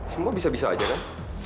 semua bisa bisa aja kan